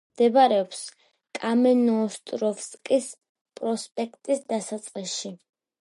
მდებარეობს კამენოოსტროვსკის პროსპექტის დასაწყისში.